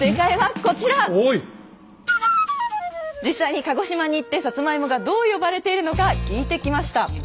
実際に鹿児島に行ってサツマイモがどう呼ばれているのか聞いてきました。